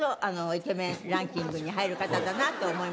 イケメンランキングに入る方だなと思いました。